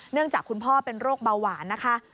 จากคุณพ่อเป็นโรคเบาหวานนะคะ